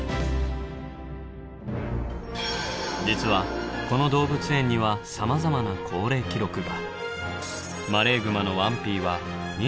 実はこの動物園にはさまざまな高齢記録が。